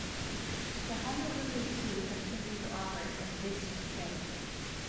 The Honolulu Zoo continued to operate in disrepair.